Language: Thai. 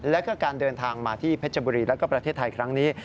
แล้วก็การเดินทางมาที่เพชรบุรีแล้วก็ประเทศไทยครั้งนี้